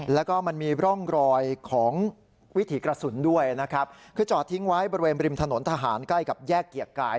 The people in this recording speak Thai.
แล้วก็มันมีร่องรอยของวิถีกระสุนด้วยนะครับคือจอดทิ้งไว้บริเวณริมถนนทหารใกล้กับแยกเกียรติกาย